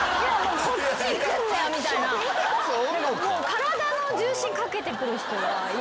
体の重心かけてくる人が嫌かも。